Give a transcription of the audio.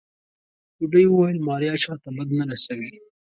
بوډۍ وويل ماريا چاته بد نه رسوي.